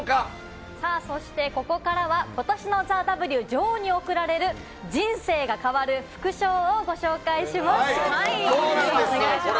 そしてここからは、ことしのＴＨＥＷ女王に贈られる人生が変わる副賞をご紹介します。